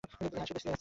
হ্যাঁ, সে বেঁচে আছে।